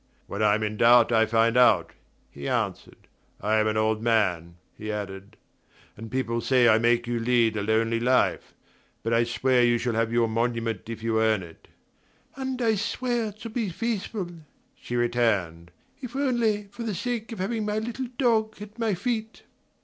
"When I'm in doubt I find out," he answered. "I am an old man," he added, "and people say I make you lead a lonely life. But I swear you shall have your monument if you earn it." "And I swear to be faithful," she returned, "if only for the sake of having my little dog at my feet."